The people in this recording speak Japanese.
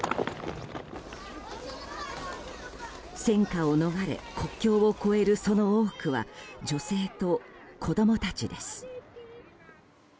戦火を逃れ、国境を越えるその多くは女性と子供たちです。